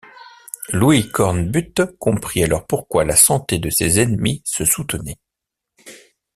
Louis Cornbutte comprit alors pourquoi la santé de ses ennemis se soutenait!